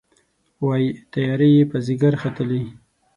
وايي، تیارې یې پر ځيګر ختلي